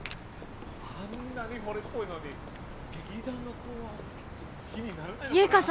あんなに惚れっぽいのに劇団の子は好きにならないのかな？